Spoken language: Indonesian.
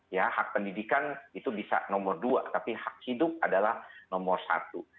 ya hak pendidikan itu bisa nomor dua tapi hak hidup adalah nomor satu